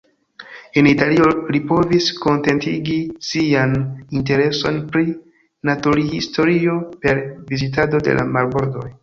En Italio, li povis kontentigi sian intereson pri naturhistorio per vizitado de la marbordoj.